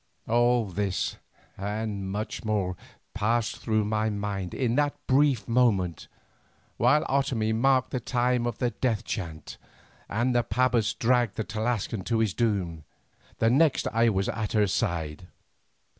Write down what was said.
All this and much more passed through my mind in that brief moment, while Otomie marked the time of the death chant, and the pabas dragged the Tlascalan to his doom. The next I was at her side.